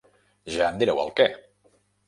Ja em direu el què.